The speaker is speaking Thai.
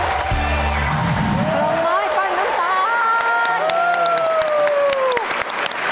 ปล่อยปั้นน้ำตาล